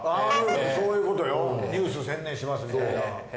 そういうことよニュース専念しますみたいな。